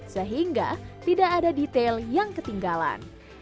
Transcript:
sehingga tidak ada detail yang ketinggalan